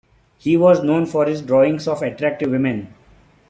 He was known for his drawings of attractive women.